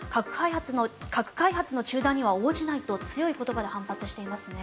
核開発の中断には応じないと強い言葉で反発していますね。